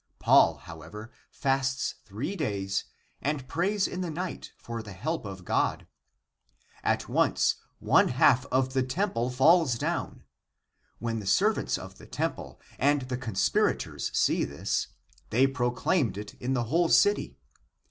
Paul however fasts three days and prays in the night for the help of God. At once one half of the temple falls down. When the servants of the temple and the conspirators see this, they proclaimed it in the whole city.